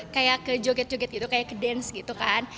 kayak ke joget joget gitu kayak ke dance gitu kan